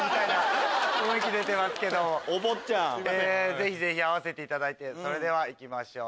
ぜひぜひ合わせていただいていきましょう。